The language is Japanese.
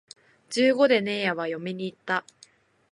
十五でねえやは嫁に行った